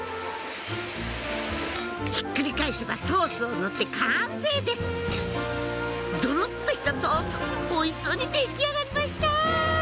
ひっくり返せばソースを塗って完成ですドロっとしたソースおいしそうに出来上がりました